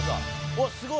おっすごい！」